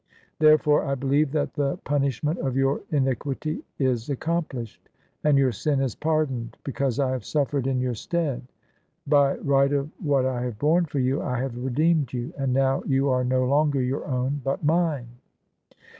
There fore I believe that the pimishment of your iniquity is accom plished, and your sin is pardoned, because I have suffered in your stead. By right of what I have borne for you, I have redeemed you; and now you are no longer your own, but mine!"